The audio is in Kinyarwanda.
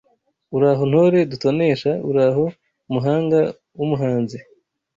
Uraho ntore dutonesha Uraho muhanga w'umuhanzi